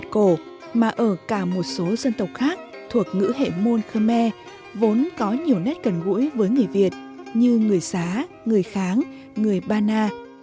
trong cộng đồng người việt cổ mà ở cả một số dân tộc khác thuộc ngữ hệ môn khmer vốn có nhiều nét cần gũi với người việt như người xá người kháng người ba na